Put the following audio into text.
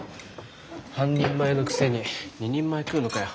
半人前のくせに２人前食うのかよ。